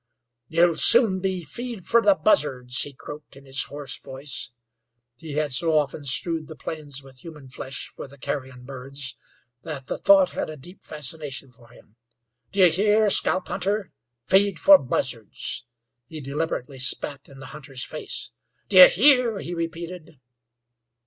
"You'll soon be feed fer the buzzards," he croaked, in his hoarse voice. He had so often strewed the plains with human flesh for the carrion birds that the thought had a deep fascination for him. "D'ye hear, scalp hunter? Feed for buzzards!" He deliberately spat in the hunter's face. "D'ye hear?" he repeated.